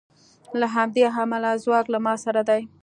له همدې امله ځواک له ما سره دی